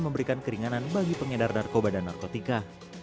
memberikan keringanan bagi pengedar narkoba dan narkotika